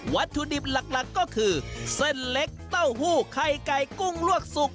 วัตถุดิบหลักก็คือเส้นเล็กเต้าหู้ไข่ไก่กุ้งลวกสุก